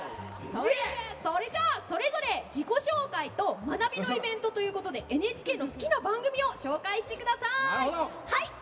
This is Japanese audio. それじゃあそれぞれ自己紹介と学びのイベントということでＮＨＫの好きな番組を紹介してください。